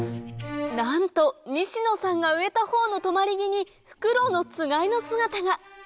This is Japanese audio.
なんと西野さんが植えたほうの止まり木にフクロウのつがいの姿が！